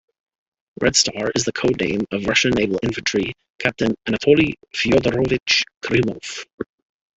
Red Star is the code name of Russian Naval Infantry Captain Anatoly Fyodorovich Krimov.